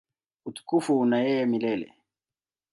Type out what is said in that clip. Utukufu una yeye milele.